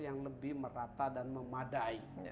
yang lebih merata dan memadai